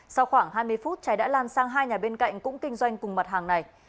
sau khoảng hai mươi phút cháy đã lan sang hai nhà bên cạnh cũng kinh doanh cùng mặt hàng này